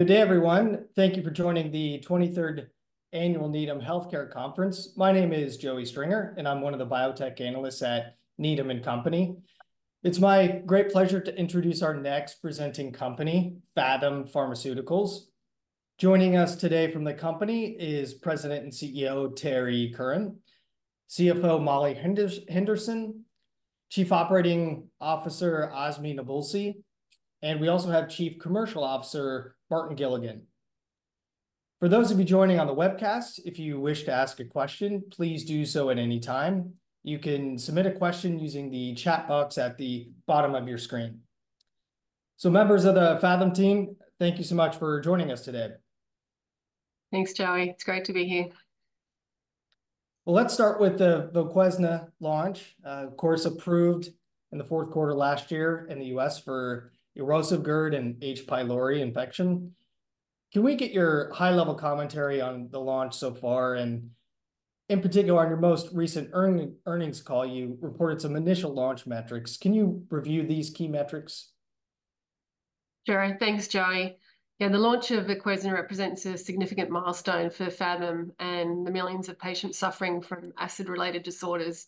Good day, everyone. Thank you for joining the 23rd Annual Needham Healthcare Conference. My name is Joseph Stringer, and I'm one of the biotech analysts at Needham & Company. It's my great pleasure to introduce our next presenting company, Phathom Pharmaceuticals. Joining us today from the company is President and CEO, Terrie Curran, CFO, Molly Henderson, Chief Operating Officer, Azmi Nabulsi, and we also have Chief Commercial Officer, Martin Gilligan. For those of you joining on the webcast, if you wish to ask a question, please do so at any time. You can submit a question using the chat box at the bottom of your screen. So members of the Phathom team, thank you so much for joining us today. Thanks, Joey. It's great to be here. Well, let's start with the VOQUEZNA launch. Of course, approved in the fourth quarter last year in the U.S. for Erosive GERD and H. pylori infection. Can we get your high-level commentary on the launch so far? In particular, on your most recent earning, earnings call, you reported some initial launch metrics. Can you review these key metrics? Sure. Thanks, Joey. Yeah, the launch of VOQUEZNA represents a significant milestone for Phathom and the millions of patients suffering from acid-related disorders.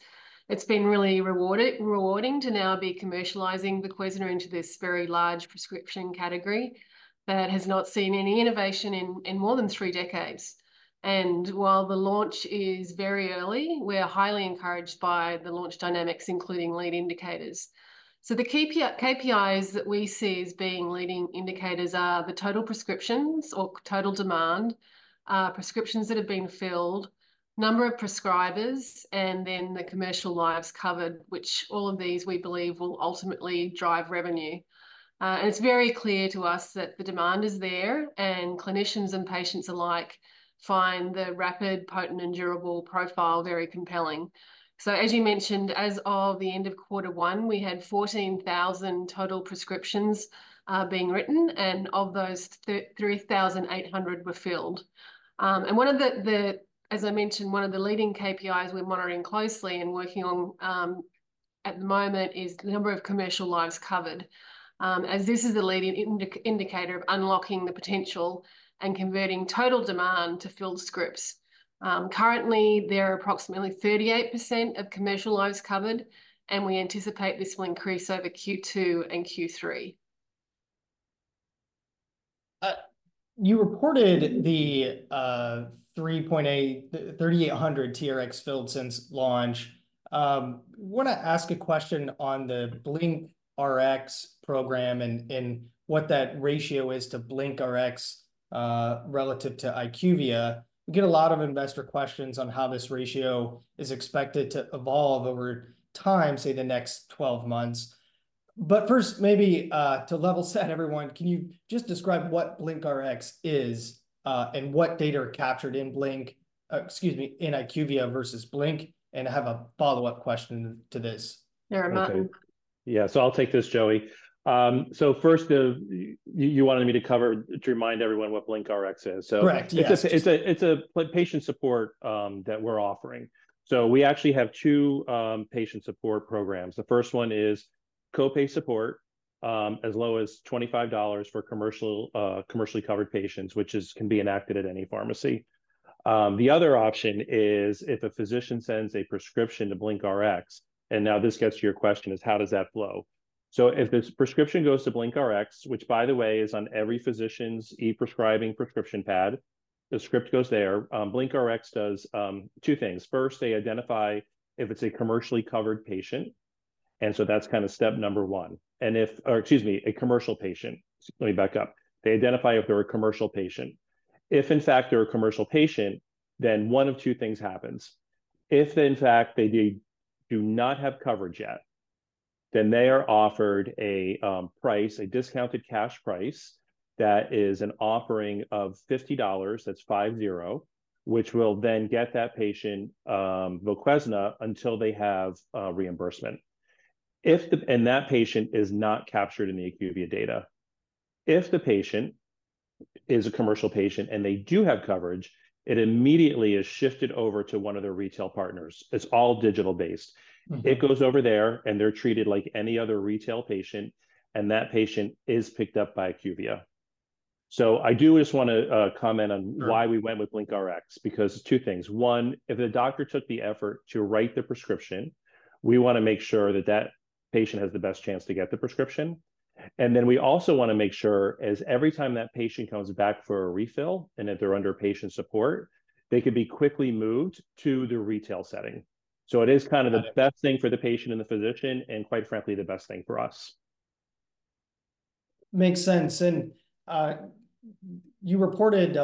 It's been really rewarding to now be commercializing VOQUEZNA into this very large prescription category that has not seen any innovation in more than three decades. And while the launch is very early, we're highly encouraged by the launch dynamics, including lead indicators. So the KPIs that we see as being leading indicators are the total prescriptions or total demand, prescriptions that have been filled, number of prescribers, and then the commercial lives covered, which all of these, we believe, will ultimately drive revenue. And it's very clear to us that the demand is there, and clinicians and patients alike find the rapid, potent, and durable profile very compelling. As you mentioned, as of the end of quarter one, we had 14,000 total prescriptions being written, and of those, 3,800 were filled. One of the, as I mentioned, one of the leading KPIs we're monitoring closely and working on at the moment is the number of commercial lives covered, as this is a leading indicator of unlocking the potential and converting total demand to filled scripts. Currently, there are approximately 38% of commercial lives covered, and we anticipate this will increase over Q2 and Q3. You reported the 3,800 TRx filled since launch. Wanna ask a question on the BlinkRx program and what that ratio is to BlinkRx relative to IQVIA. We get a lot of investor questions on how this ratio is expected to evolve over time, say, the next 12 months. But first, maybe to level set everyone, can you just describe what BlinkRx is and what data are captured in IQVIA versus BlinkRx? Excuse me, and I have a follow-up question to this. Sure, Martin. Okay. Yeah, so I'll take this, Joey. So first, you wanted me to cover, to remind everyone what BlinkRx is. Correct, yes. It's a patient support that we're offering. So we actually have two patient support programs. The first one is co-pay support as low as $25 for commercially covered patients, which can be enacted at any pharmacy. The other option is if a physician sends a prescription to BlinkRx, and now this gets to your question, is: how does that flow? So if this prescription goes to BlinkRx, which by the way, is on every physician's e-prescribing prescription pad, the script goes there. BlinkRx does two things. First, they identify if it's a commercially covered patient, and so that's kind of step number one. And if, or excuse me, a commercial patient. Let me back up. They identify if they're a commercial patient. If, in fact, they're a commercial patient, then one of two things happens. If, in fact, they do not have coverage yet, then they are offered a price, a discounted cash price, that is an offering of $50, that's 50, which will then get that patient VOQUEZNA until they have reimbursement. And that patient is not captured in the IQVIA data. If the patient is a commercial patient, and they do have coverage, it immediately is shifted over to one of their retail partners. It's all digital based. Mm-hmm. It goes over there, and they're treated like any other retail patient, and that patient is picked up by IQVIA. So I do just wanna, comment on- Sure... why we went with BlinkRx, because two things: one, if the doctor took the effort to write the prescription, we wanna make sure that that patient has the best chance to get the prescription. And then we also wanna make sure, as every time that patient comes back for a refill, and if they're under patient support, they could be quickly moved to the retail setting. Got it. So it is kind of the best thing for the patient and the physician, and quite frankly, the best thing for us. Makes sense. You reported,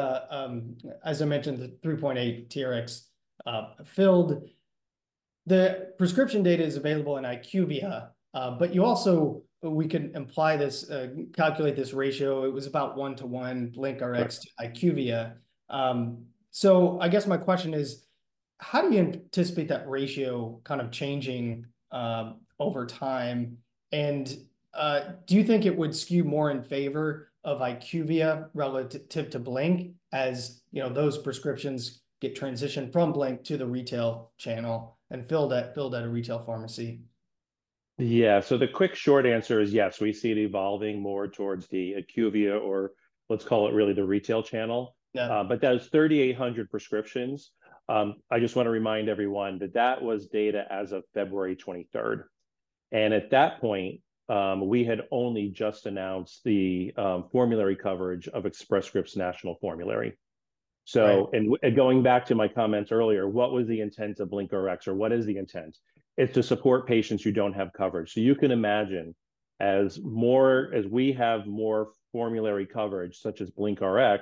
as I mentioned, the 3.8 TRx filled. The prescription data is available in IQVIA, but you also, we can imply this, calculate this ratio. It was about one-to-one BlinkRx. Right... IQVIA. So I guess my question is: how do you anticipate that ratio kind of changing over time? And do you think it would skew more in favor of IQVIA relative to Blink, you know, those prescriptions get transitioned from Blink to the retail channel and filled at a retail pharmacy?... Yeah, so the quick short answer is yes, we see it evolving more towards the IQVIA or let's call it really the retail channel. Yeah. That was 3,800 prescriptions. I just wanna remind everyone that that was data as of February 23rd, and at that point, we had only just announced the formulary coverage of Express Scripts National Formulary. Right. So, and going back to my comments earlier, what was the intent of BlinkRx or what is the intent? It's to support patients who don't have coverage. So you can imagine as more, as we have more formulary coverage, such as BlinkRx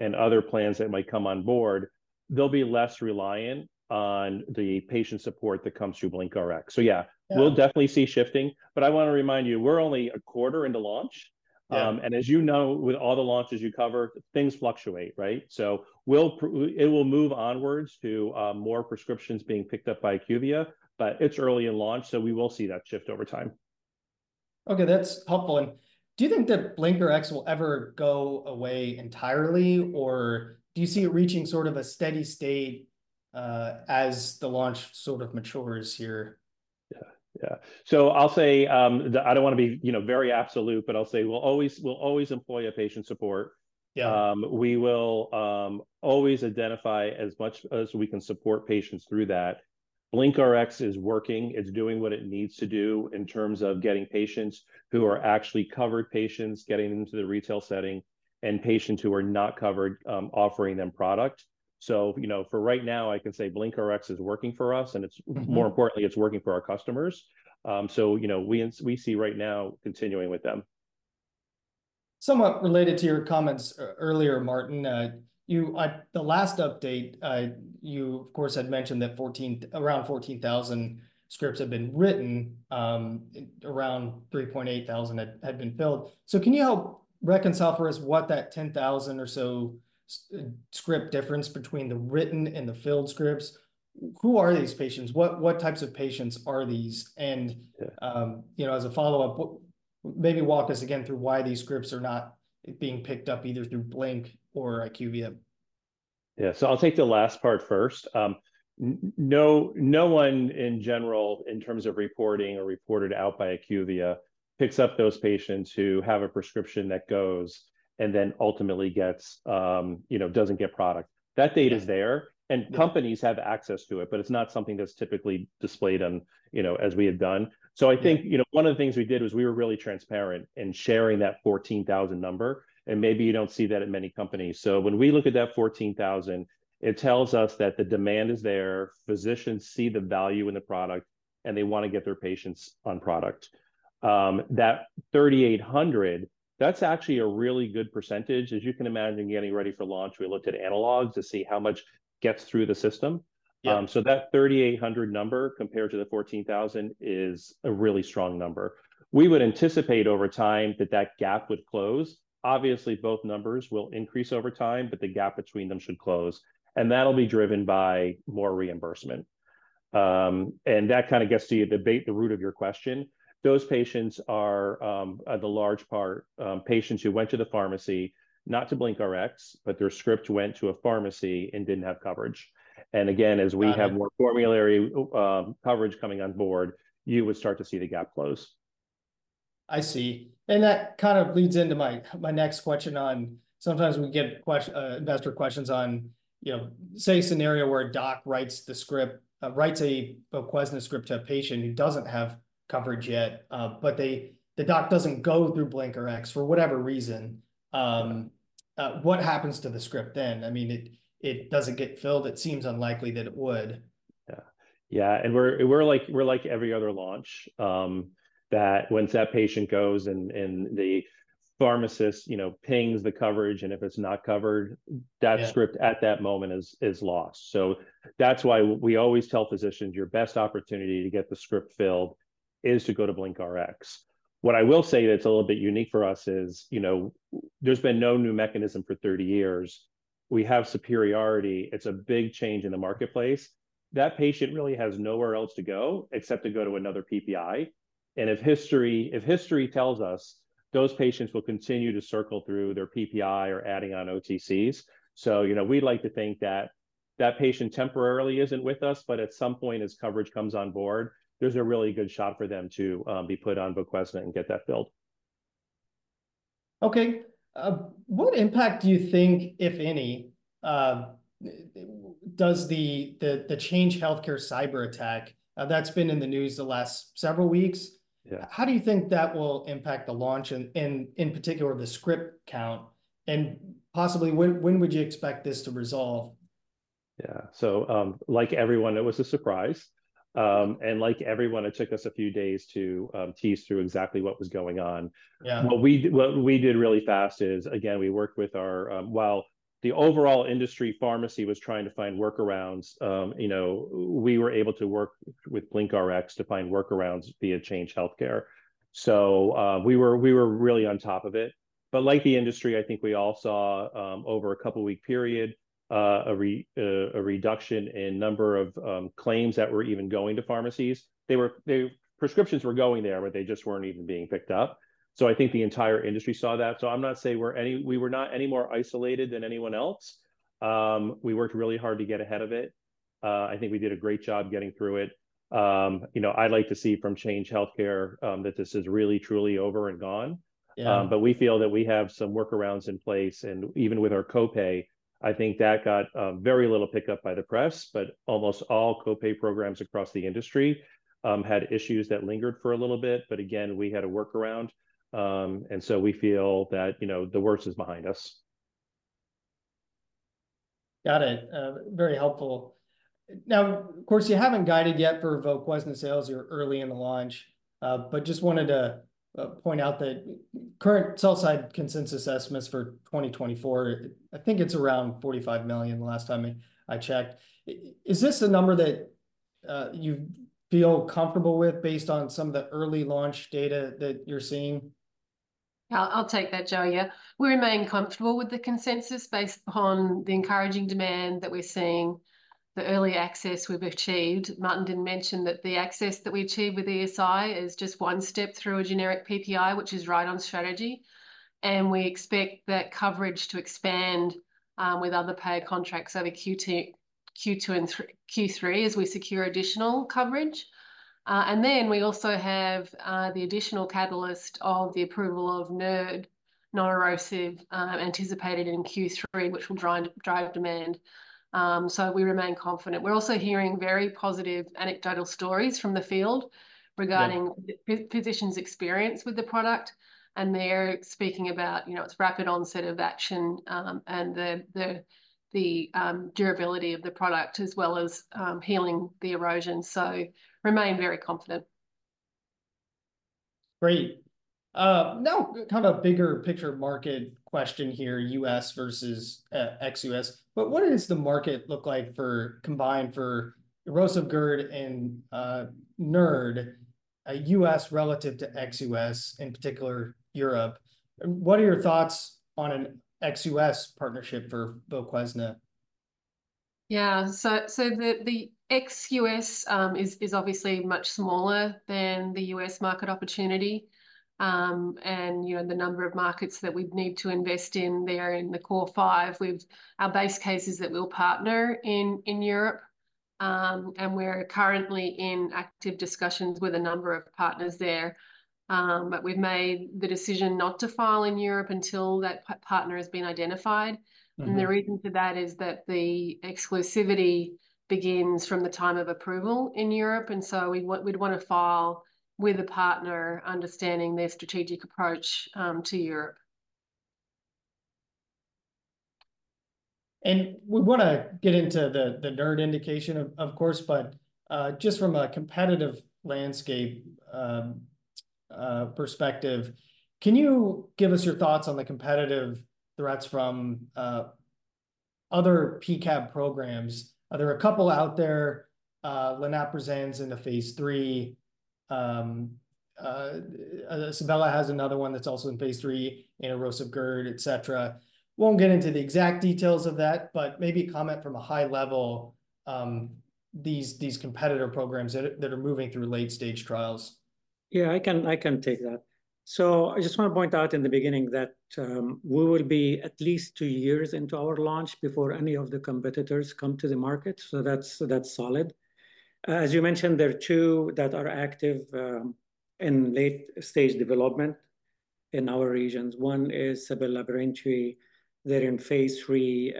and other plans that might come on board, they'll be less reliant on the patient support that comes through BlinkRx. So yeah- Yeah. We'll definitely see shifting, but I wanna remind you, we're only a quarter into launch. Yeah. As you know, with all the launches you cover, things fluctuate, right? So it will move onwards to more prescriptions being picked up by IQVIA, but it's early in launch, so we will see that shift over time. Okay, that's helpful. And do you think that BlinkRx will ever go away entirely, or do you see it reaching sort of a steady state, as the launch sort of matures here? Yeah, yeah. So I'll say, I don't wanna be, you know, very absolute, but I'll say we'll always, we'll always employ a patient support. Yeah. We will always identify as much as we can support patients through that. BlinkRx is working. It's doing what it needs to do in terms of getting patients who are actually covered patients, getting into the retail setting, and patients who are not covered, offering them product. So, you know, for right now, I can say BlinkRx is working for us, and it's- Mm-hmm... more importantly, it's working for our customers. So, you know, we see right now continuing with them. Somewhat related to your comments earlier, Martin, you at the last update, you of course had mentioned that around 14,000 scripts had been written, around 3,800 had been filled. So can you help reconcile for us what that 10,000 or so script difference between the written and the filled scripts? Who are these patients? What types of patients are these? And- Yeah... you know, as a follow-up, maybe walk us again through why these scripts are not being picked up either through Blink or IQVIA? Yeah, so I'll take the last part first. No, no one in general, in terms of reporting or reported out by IQVIA, picks up those patients who have a prescription that goes and then ultimately gets, you know, doesn't get product. Yeah. That data is there, and companies have access to it, but it's not something that's typically displayed on, you know, as we had done. Yeah. So I think, you know, one of the things we did was we were really transparent in sharing that 14,000 number, and maybe you don't see that in many companies. So when we look at that 14,000, it tells us that the demand is there, physicians see the value in the product, and they wanna get their patients on product. That 3,800, that's actually a really good percentage. As you can imagine, getting ready for launch, we looked at analogs to see how much gets through the system. Yeah. So that 3,800 number compared to the 14,000 is a really strong number. We would anticipate over time that that gap would close. Obviously, both numbers will increase over time, but the gap between them should close, and that'll be driven by more reimbursement. And that kind of gets to the debate, the root of your question. Those patients are, the large part, patients who went to the pharmacy, not to BlinkRx, but their script went to a pharmacy and didn't have coverage. And again, as we- Got it... have more formulary, coverage coming on board, you would start to see the gap close. I see. And that kind of leads into my next question on sometimes we get investor questions on, you know, say, a scenario where a doc writes the script, writes a VOQUEZNA script to a patient who doesn't have coverage yet, but they, the doc doesn't go through BlinkRx for whatever reason. What happens to the script then? I mean, it doesn't get filled. It seems unlikely that it would. Yeah. Yeah, and we're like every other launch that once that patient goes and the pharmacist, you know, pings the coverage, and if it's not covered- Yeah... that script at that moment is, is lost. So that's why we always tell physicians, "Your best opportunity to get the script filled is to go to BlinkRx." What I will say that's a little bit unique for us is, you know, there's been no new mechanism for 30 years. We have superiority. It's a big change in the marketplace. That patient really has nowhere else to go except to go to another PPI, and if history, if history tells us, those patients will continue to circle through their PPI or adding on OTCs. So, you know, we'd like to think that that patient temporarily isn't with us, but at some point, as coverage comes on board, there's a really good shot for them to be put on VOQUEZNA and get that filled. Okay. What impact do you think, if any, does the Change Healthcare cyberattack that's been in the news the last several weeks- Yeah... how do you think that will impact the launch and, and in particular, the script count? And possibly, when, when would you expect this to resolve? Yeah. So, like everyone, it was a surprise. And like everyone, it took us a few days to tease through exactly what was going on. Yeah. What we did really fast is, again, we worked with our while the overall industry pharmacy was trying to find workarounds, you know, we were able to work with BlinkRx to find workarounds via Change Healthcare. So, we were really on top of it. But like the industry, I think we all saw, over a couple week period, a reduction in number of claims that were even going to pharmacies. Prescriptions were going there, but they just weren't even being picked up. So I think the entire industry saw that. So I'm not saying we were any more isolated than anyone else. We worked really hard to get ahead of it. I think we did a great job getting through it. You know, I'd like to see from Change Healthcare that this is really, truly over and gone. Yeah. But we feel that we have some workarounds in place, and even with our co-pay, I think that got very little pick-up by the press. But almost all co-pay programs across the industry had issues that lingered for a little bit, but again, we had a workaround. And so we feel that, you know, the worst is behind us. Got it. Very helpful. Now, of course, you haven't guided yet for VOQUEZNA sales. You're early in the launch. But just wanted to point out that current sell-side consensus estimates for 2024, I think it's around $45 million the last time I checked. Is this a number that you feel comfortable with based on some of the early launch data that you're seeing? I'll take that, Joey. Yeah, we remain comfortable with the consensus based upon the encouraging demand that we're seeing, the early access we've achieved. Martin did mention that the access that we achieved with ESI is just one step through a generic PPI, which is right on strategy, and we expect that coverage to expand with other payer contracts over Q2 and Q3, as we secure additional coverage. And then we also have the additional catalyst of the approval of NERD, non-erosive, anticipated in Q3, which will drive demand. So we remain confident. We're also hearing very positive anecdotal stories from the field- Yeah... regarding physicians' experience with the product, and they're speaking about, you know, its rapid onset of action and the durability of the product, as well as healing the erosion, so remain very confident. Great. Now kind of a bigger picture market question here, U.S. versus ex-U.S. What does the market look like for combined Erosive GERD and NERD, U.S. relative to ex-U.S., in particular Europe? What are your thoughts on an ex-U.S. partnership for VOQUEZNA? Yeah. So the ex U.S. is obviously much smaller than the U.S. market opportunity. And you know, the number of markets that we'd need to invest in there in the core five, our base case is that we'll partner in Europe. And we're currently in active discussions with a number of partners there. But we've made the decision not to file in Europe until that partner has been identified. Mm-hmm. The reason for that is that the exclusivity begins from the time of approval in Europe, and so we'd want, we'd want to file with a partner, understanding their strategic approach to Europe. We want to get into the NERD indication, of course, but just from a competitive landscape perspective, can you give us your thoughts on the competitive threats from other P-CAB programs? There are a couple out there, linaprazan's in phase III. Sebela has another one that's also in phase III, erosive GERD, et cetera. Won't get into the exact details of that, but maybe comment from a high level, these competitor programs that are moving through late-stage trials. Yeah, I can, I can take that. So I just want to point out in the beginning that we will be at least two years into our launch before any of the competitors come to the market, so that's, that's solid. As you mentioned, there are two that are active in late-stage development in our regions. One is Sebela Laboratories. They're in phase III.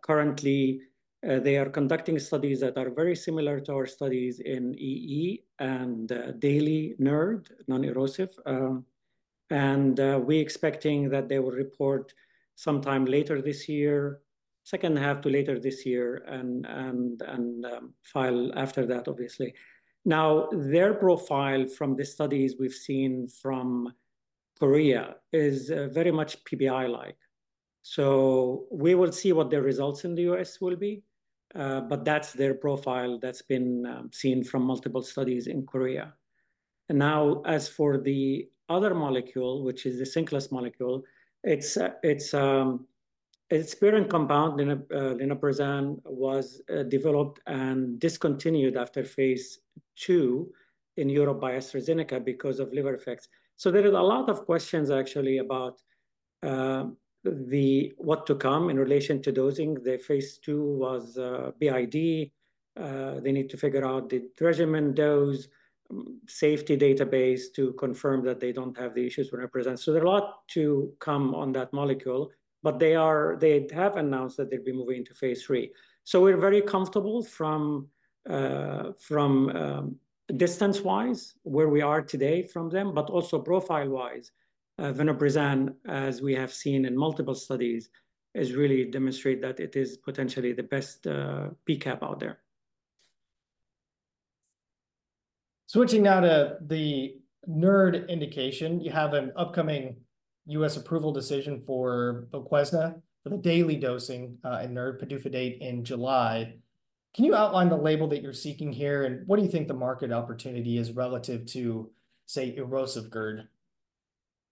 Currently, they are conducting studies that are very similar to our studies in EE and daily NERD, non-erosive. And we expecting that they will report sometime later this year, second half to later this year, and file after that, obviously. Now, their profile from the studies we've seen from Korea is very much PPI-like. So we will see what their results in the U.S. will be, but that's their profile that's been seen from multiple studies in Korea. And now, as for the other molecule, which is the Cinclus molecule, its parent compound, linaprazan, was developed and discontinued after phase II in Europe by AstraZeneca because of liver effects. So there is a lot of questions actually about what to come in relation to dosing. The phase II was BID. They need to figure out the regimen dose, safety database, to confirm that they don't have the issues we represent. So there's a lot to come on that molecule, but they have announced that they'll be moving to phase III. So we're very comfortable from distance-wise, where we are today from them, but also profile-wise. Linaprazan, as we have seen in multiple studies, has really demonstrated that it is potentially the best P-CAB out there. Switching now to the NERD indication, you have an upcoming U.S. approval decision for VOQUEZNA for the daily dosing, in NERD PDUFA date in July. Can you outline the label that you're seeking here, and what do you think the market opportunity is relative to, say, erosive GERD?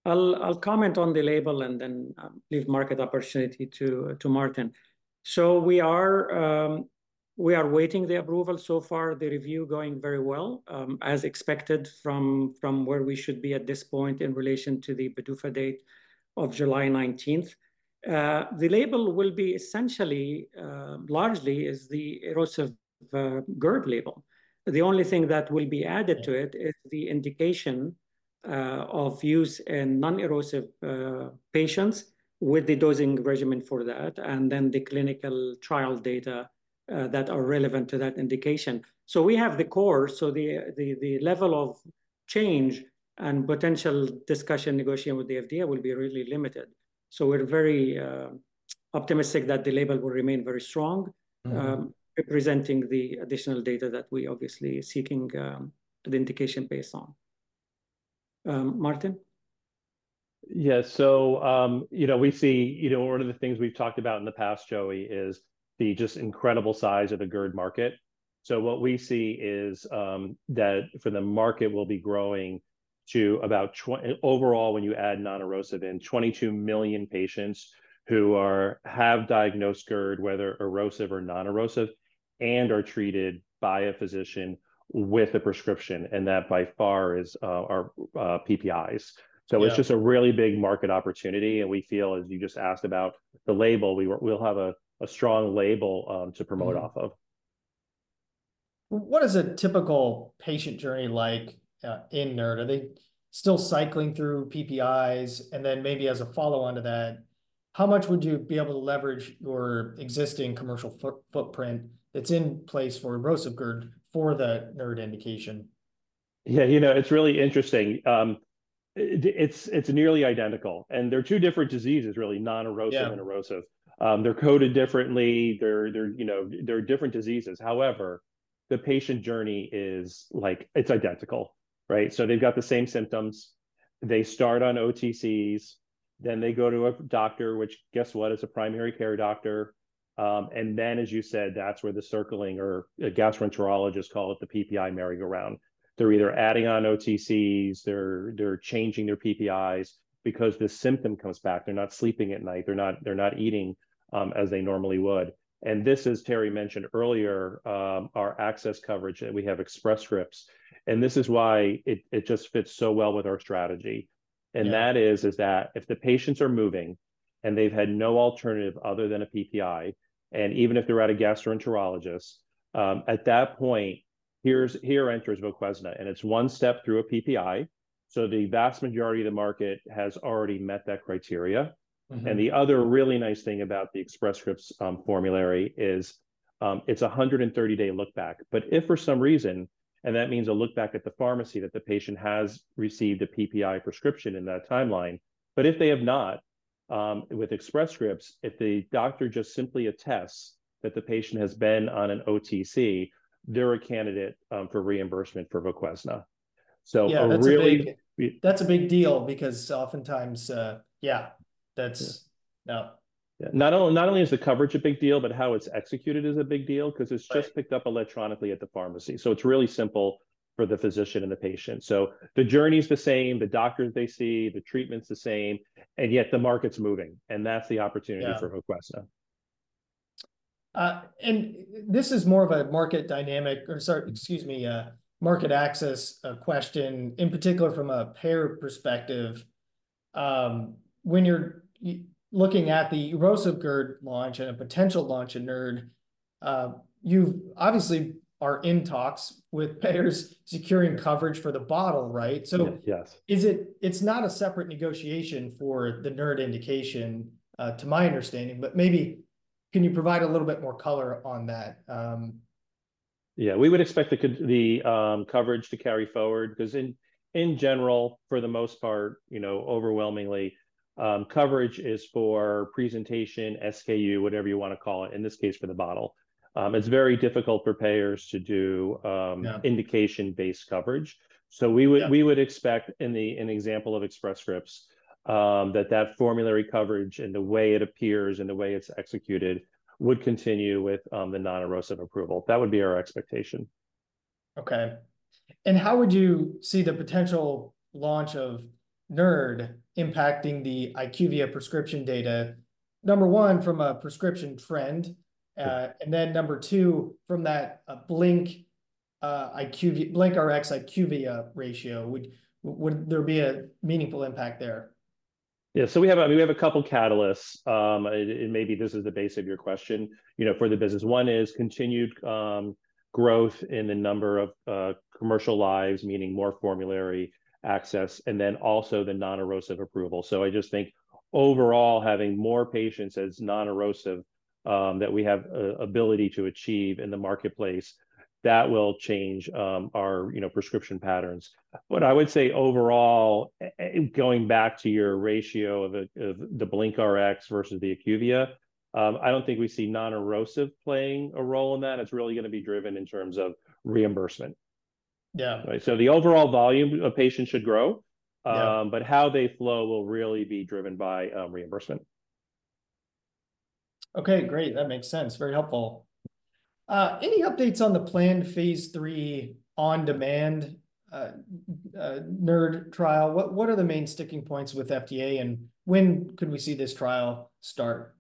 I'll comment on the label and then leave market opportunity to Martin. So we are waiting the approval. So far, the review going very well, as expected from where we should be at this point in relation to the PDUFA date of July 19th. The label will be essentially largely is the erosive GERD label. The only thing that will be added to it is the indication of use in non-erosive patients with the dosing regimen for that, and then the clinical trial data that are relevant to that indication. So we have the core, so the level of change and potential discussion, negotiation with the FDA will be really limited. So we're very optimistic that the label will remain very strong- Mm-hmm... representing the additional data that we obviously are seeking, the indication based on. Martin? Yeah, so, you know, we see, you know, one of the things we've talked about in the past, Joey, is the just incredible size of the GERD market. So what we see is, that for the market will be growing to about overall, when you add non-erosive in, 22 million patients who have diagnosed GERD, whether erosive or non-erosive, and are treated by a physician with a prescription, and that by far is PPIs. Yeah. So it's just a really big market opportunity, and we feel, as you just asked about the label, we'll have a strong label to promote off of. Mm-hmm. What is a typical patient journey like in NERD? Are they still cycling through PPIs? And then maybe as a follow-on to that, how much would you be able to leverage your existing commercial footprint that's in place for erosive GERD for the NERD indication? Yeah, you know, it's really interesting. It's nearly identical, and they're two different diseases, really, non-erosive- Yeah... and erosive. They're coded differently, you know, they're different diseases. However, the patient journey is like... it's identical, right? So they've got the same symptoms. They start on OTCs, then they go to a doctor, which, guess what, is a primary care doctor. And then, as you said, that's where the circling, or gastroenterologists call it the PPI merry-go-round. They're either adding on OTCs, they're changing their PPIs, because the symptom comes back. They're not sleeping at night, they're not eating as they normally would. And this, as Terry mentioned earlier, our access coverage, and we have Express Scripts, and this is why it just fits so well with our strategy. Yeah. That is, if the patients are moving and they've had no alternative other than a PPI, and even if they're at a gastroenterologist, at that point, here enters VOQUEZNA, and it's one step through a PPI. So the vast majority of the market has already met that criteria. Mm-hmm. And the other really nice thing about the Express Scripts formulary is, it's a 130-day look-back. But if for some reason, and that means a look-back at the pharmacy, that the patient has received a PPI prescription in that timeline, but if they have not, with Express Scripts, if the doctor just simply attests that the patient has been on an OTC, they're a candidate for reimbursement for VOQUEZNA. So a really- Yeah, that's a big, that's a big deal, because oftentimes, yeah, that's- Yeah Yeah. Not only, not only is the coverage a big deal, but how it's executed is a big deal. Right... 'cause it's just picked up electronically at the pharmacy. So it's really simple for the physician and the patient. So the journey's the same, the doctors they see, the treatment's the same, and yet the market's moving, and that's the opportunity- Yeah... for VOQUEZNA. And this is more of a market dynamic, or, sorry, excuse me, a market access question, in particular from a payer perspective. When you're looking at the Erosive GERD launch and a potential launch in NERD, you obviously are in talks with payers securing coverage for the bottle, right? Yes, yes. So is it... It's not a separate negotiation for the NERD indication, to my understanding, but maybe can you provide a little bit more color on that? Yeah, we would expect the coverage to carry forward, 'cause in general, for the most part, you know, overwhelmingly, coverage is for presentation, SKU, whatever you wanna call it, in this case, for the bottle. It's very difficult for payers to do. Yeah... indication-based coverage. Yeah. So we would expect in an example of Express Scripts that that formulary coverage and the way it appears and the way it's executed would continue with the non-erosive approval. That would be our expectation. Okay. How would you see the potential launch of NERD impacting the IQVIA prescription data, number one, from a prescription trend? Yeah. And then number two, from that, a BlinkRx IQVIA ratio, would there be a meaningful impact there? Yeah, so we have a couple catalysts, and maybe this is the base of your question, you know, for the business. One is continued growth in the number of commercial lives, meaning more formulary access, and then also the non-erosive approval. So I just think overall, having more patients as non-erosive that we have ability to achieve in the marketplace, that will change our, you know, prescription patterns. But I would say overall, going back to your ratio of the BlinkRx versus the IQVIA, I don't think we see non-erosive playing a role in that. It's really gonna be driven in terms of reimbursement. Yeah. Right, so the overall volume of patients should grow- Yeah... but how they flow will really be driven by reimbursement. Okay, great. That makes sense. Very helpful. Any updates on the planned phase III on-demand NERD trial, what are the main sticking points with FDA, and when could we see this trial start?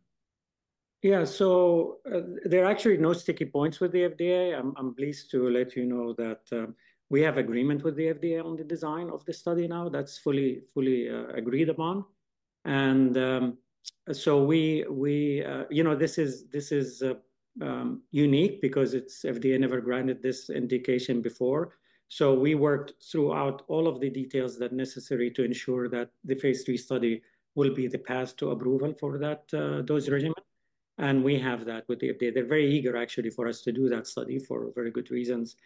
Yeah, so, there are actually no sticky points with the FDA. I'm, I'm pleased to let you know that, we have agreement with the FDA on the design of the study now. That's fully, fully, agreed upon. And, so we, we, you know, this is, this is, unique because it's FDA never granted this indication before. So we worked throughout all of the details that necessary to ensure that the phase III study will be the path to approval for that, dose regimen, and we have that with the FDA. They're very eager, actually, for us to do that study for very good reasons.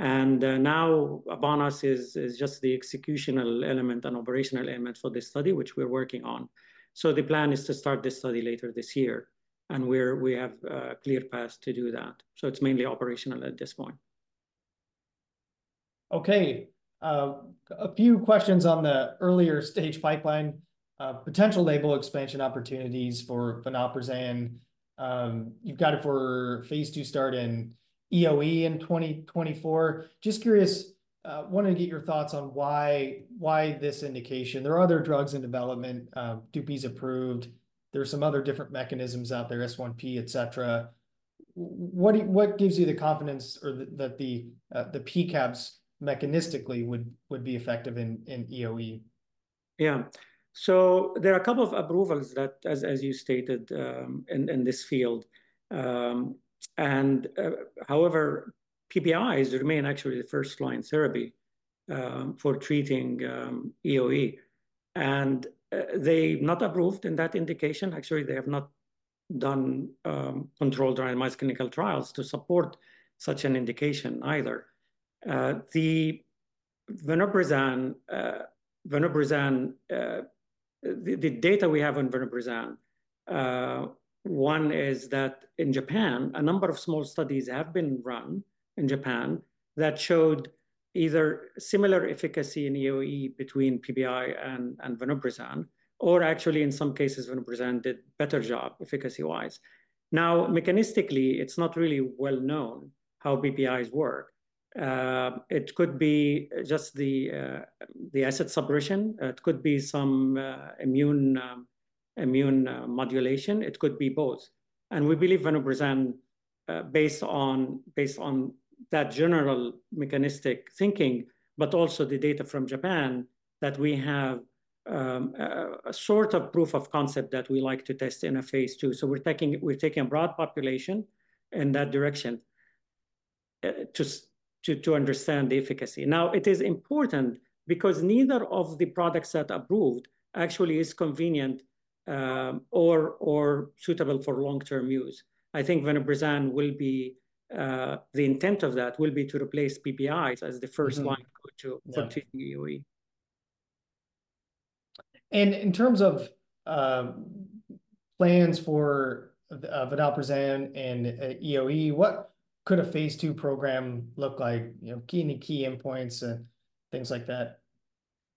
And, now upon us is, is just the executional element and operational element for this study, which we're working on. So the plan is to start this study later this year, and we have a clear path to do that, so it's mainly operational at this point. Okay, a few questions on the earlier stage pipeline. Potential label expansion opportunities for vonoprazan, you've got it for phase II start in EoE in 2024. Just curious, wanted to get your thoughts on why, why this indication? There are other drugs in development, Dupixent approved. There are some other different mechanisms out there, S1P, et cetera. What, what gives you the confidence or the, that the, the P-CABs mechanistically would, would be effective in, in EoE? Yeah. So there are a couple of approvals that, as you stated, in this field. And however, PPIs remain actually the first-line therapy for treating EoE, and they're not approved in that indication. Actually, they have not done controlled randomized clinical trials to support such an indication either. The data we have on vonoprazan, one is that in Japan, a number of small studies have been run in Japan that showed either similar efficacy in EoE between PPI and vonoprazan, or actually, in some cases, vonoprazan did better job efficacy-wise. Now, mechanistically, it's not really well known how PPIs work. It could be just the acid suppression. It could be some immune modulation. It could be both, and we believe vonoprazan, based on that general mechanistic thinking, but also the data from Japan, that we have a sort of proof of concept that we like to test in a phase II. So we're taking a broad population in that direction to understand the efficacy. Now, it is important because neither of the products that approved actually is convenient or suitable for long-term use. I think vonoprazan will be the intent of that will be to replace PPIs as the first line- Mm-hmm... of go-to for- Yeah... EoE. In terms of plans for vonoprazan and EoE, what could a phase II program look like? You know, key endpoints and things like that.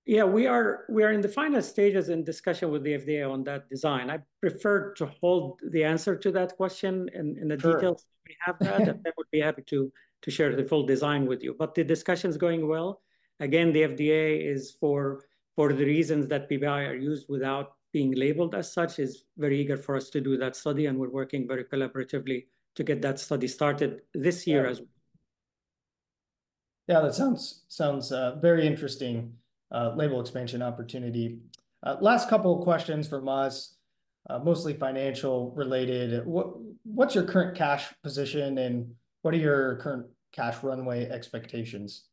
Yeah, we are in the final stages in discussion with the FDA on that design. I prefer to hold the answer to that question and the details- Sure... till we have that, and then would be happy to share the full design with you. But the discussion is going well. Again, the FDA is, for the reasons that PPI are used without being labeled as such, is very eager for us to do that study, and we're working very collaboratively to get that study started this year as- Yeah, that sounds very interesting label expansion opportunity. Last couple of questions from us, mostly financial related. What's your current cash position, and what are your current cash runway expectations?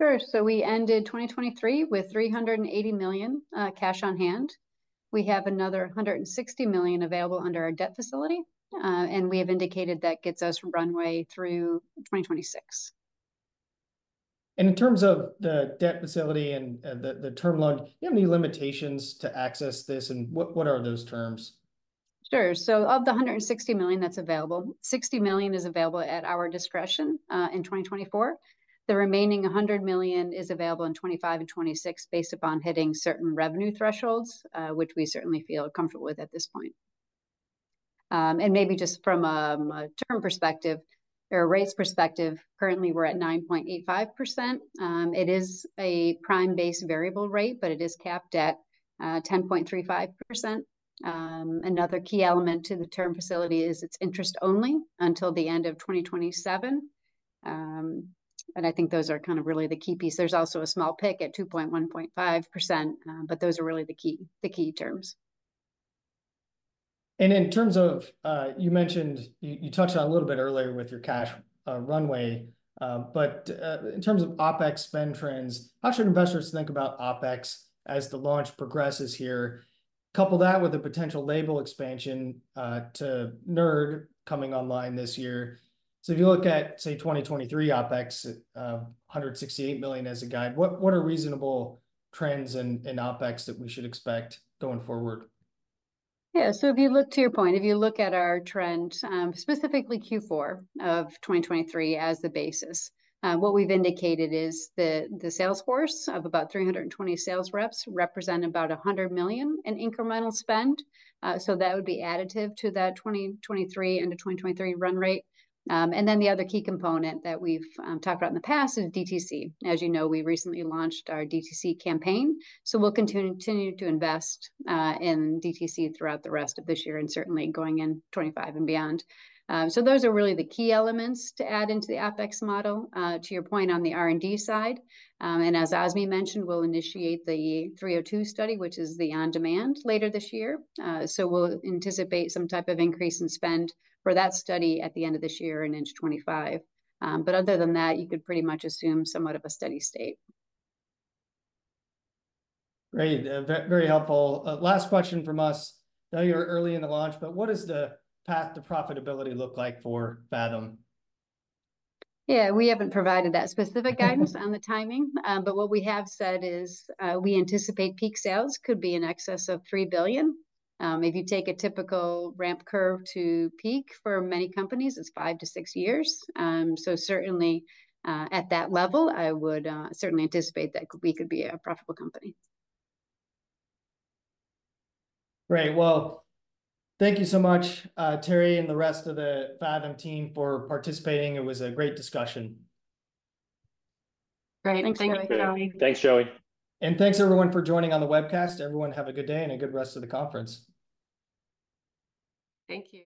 Sure. So we ended 2023 with $380 million cash on hand. We have another 160 million available under our debt facility, and we have indicated that gets us runway through 2026. In terms of the debt facility and the term loan, do you have any limitations to access this, and what are those terms? Sure. So of the $160 million that's available, $60 million is available at our discretion in 2024. The remaining $100 million is available in 2025 and 2026, based upon hitting certain revenue thresholds, which we certainly feel comfortable with at this point. And maybe just from a term perspective or a rates perspective, currently, we're at 9.85%. It is a prime-based variable rate, but it is capped at 10.35%. Another key element to the term facility is it's interest-only until the end of 2027. And I think those are kind of really the key piece. There's also a small PIK at 2.15%, but those are really the key terms. In terms of, you mentioned—you touched on it a little bit earlier with your cash runway, but in terms of OpEx spend trends, how should investors think about OpEx as the launch progresses here? Couple that with the potential label expansion to NERD coming online this year. If you look at, say, 2023 OpEx, $168 million as a guide, what are reasonable trends in OpEx that we should expect going forward? Yeah. So if you look to your point, if you look at our trend, specifically Q4 of 2023 as the basis, what we've indicated is the sales force of about 320 sales reps represent about $100 million in incremental spend. So that would be additive to that 2023 and the 2023 run rate. And then the other key component that we've talked about in the past is DTC. As you know, we recently launched our DTC campaign, so we'll continue to invest in DTC throughout the rest of this year and certainly going in 2025 and beyond. So those are really the key elements to add into the OpEx model. To your point on the R&D side, and as Azmi mentioned, we'll initiate the 302 study, which is the on-demand, later this year. So we'll anticipate some type of increase in spend for that study at the end of this year and into 2025. But other than that, you could pretty much assume somewhat of a steady state. Great. Very helpful. Last question from us. I know you're early in the launch, but what does the path to profitability look like for Phathom? Yeah, we haven't provided that specific guidance on the timing, but what we have said is, we anticipate peak sales could be in excess of $3 billion. If you take a typical ramp curve to peak, for many companies, it's five to six years. So certainly, at that level, I would certainly anticipate that we could be a profitable company. Great. Well, thank you so much, Terrie and the rest of the Phathom team, for participating. It was a great discussion. Great. Thanks, Joey. Thanks, Joey. Thanks, everyone, for joining on the webcast. Everyone, have a good day and a good rest of the conference. Thank you.